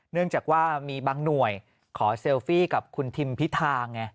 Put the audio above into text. เนื่องจากว่ามีบางหน่วยขอเซลฟี่กับคุณทิมพิธาไง